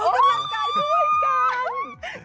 อ่อกำลังกายด้วยกัน